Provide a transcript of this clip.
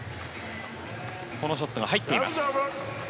このショットは入っています。